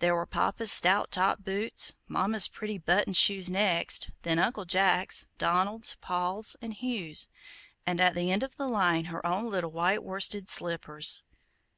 There were Papa's stout top boots; Mama's pretty buttoned shoes next; then Uncle Jack's, Donald's, Paul's and Hugh's; and at the end of the line her own little white worsted slippers.